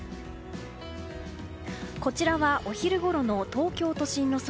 こちらはお昼ごろの東京都心の空。